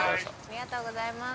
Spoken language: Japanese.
ありがとうございます